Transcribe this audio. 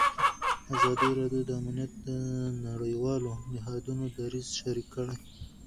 ازادي راډیو د امنیت د نړیوالو نهادونو دریځ شریک کړی.